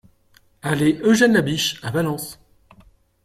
Allée Eugène Labiche à Valence